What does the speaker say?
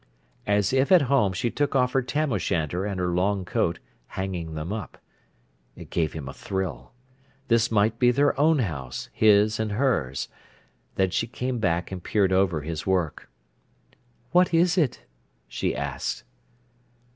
As if at home, she took off her tam o' shanter and her long coat, hanging them up. It gave him a thrill. This might be their own house, his and hers. Then she came back and peered over his work. "What is it?" she asked.